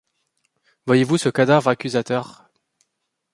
Voyez-vous ce cadavre accusateur